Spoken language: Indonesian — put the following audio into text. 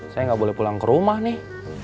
saya nggak boleh pulang ke rumah nih